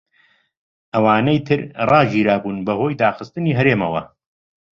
ئەوانەی تر ڕاگیرابوون بەهۆی داخستنی هەرێمیەوە.